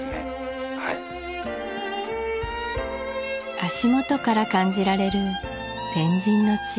足元から感じられる先人の知恵